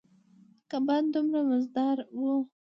کبان دومره مزدار ووـ.